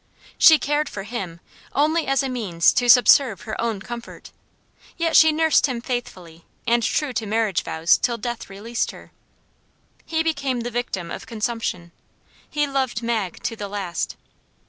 She cared for him only as a means to subserve her own comfort; yet she nursed him faithfully and true to marriage vows till death released her. He became the victim of consumption. He loved Mag to the last.